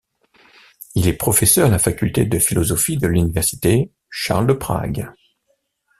Il est professeur à la faculté de philosophie de l’université Charles de Prague.